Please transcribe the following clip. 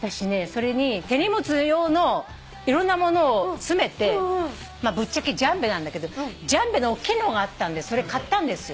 それに手荷物用のいろんなものを詰めてぶっちゃけジャンベなんだけどジャンベのおっきいのがあったんでそれ買ったんですよ。